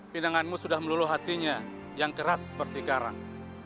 pinanganmu sudah melulu hatinya yang keras seperti karang